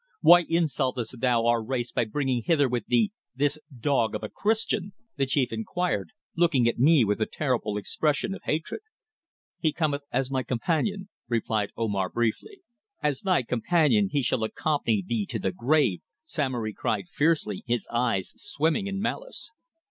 "Why insultest thou our race by bringing hither with thee this dog of a Christian?" the chief enquired, looking at me with a terrible expression of hatred. "He cometh as my companion," replied Omar briefly. "As thy companion he shall accompany thee to the grave," Samory cried fiercely, his eyes swimming in malice.